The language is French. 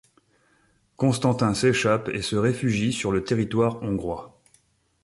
Constantin s'échappe et se réfugie sur le territoire Hongrois.